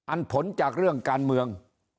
ผลจากเรื่องการเมือง